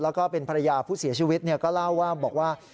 แล้วก็เป็นภรรยาผู้เสียชีวิตก็เล่าว่าบอกว่า